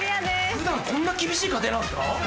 普段こんな厳しい家庭なんですか？